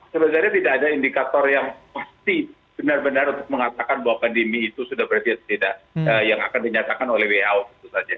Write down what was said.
sebenarnya tidak ada indikator yang pasti benar benar untuk mengatakan bahwa pandemi itu sudah berarti tidak yang akan dinyatakan oleh who tentu saja